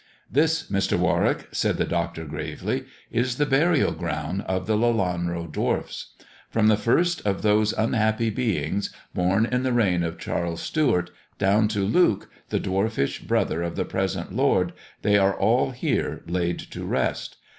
"This, Mr. Warwick," said the doctor gravely, "is the burial ground of the Lelanro dwarfs. From the first of those unhappy beings, born in the reign of Charles Stewart, down to Luke, the dwarfish brother of the present lord, they are all here laid to rest.